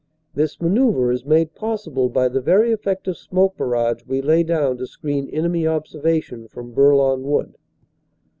This manoeuvre is made possible by the very effective smoke barrage we lay down to screen enemy observation from Bourlon Wood.